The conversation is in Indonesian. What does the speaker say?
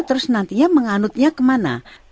terus nantinya menganutnya kemana